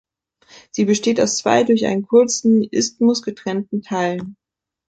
Sie besteht aus zwei durch einen kurzen Isthmus getrennten Teilen.